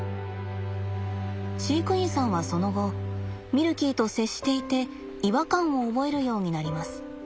飼育員さんはその後ミルキーと接していて違和感を覚えるようになります。